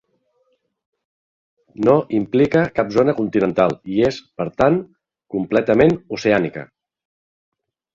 No implica cap zona continental i és, per tant, completament oceànica.